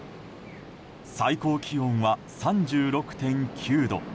最高気温は３６．９度。